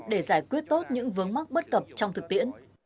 để giải quyết tốt những vướng mắc bất cập trong thực tiễn